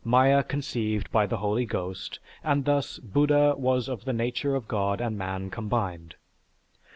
Maya conceived by the Holy Ghost, and thus Buddha was of the nature of God and man combined.